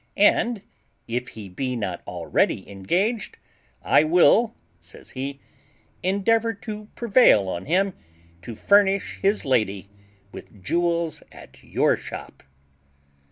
"And, if he be not already engaged, I will," says he, "endeavour to prevail on him to furnish his lady with jewels at your shop."